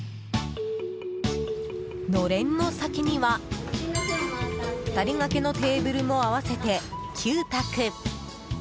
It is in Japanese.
のれんの先には２人掛けのテーブルも合わせて９卓。